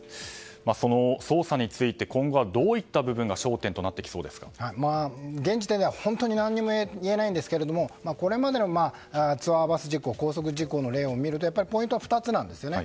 その捜査について今後はどういった部分が現時点では本当に何とも言えないんですがこれまでのバス事故の例を見るとやっぱりポイントは２つですね。